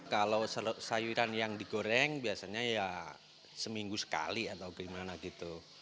kalau sayuran yang digoreng biasanya ya seminggu sekali atau gimana gitu